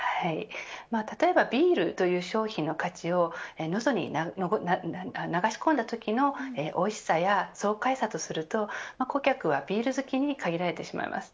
例えばビールという商品の価値を喉に流し込んだときのおいしさや爽快さとすると顧客はビール好きに限られてしまいます。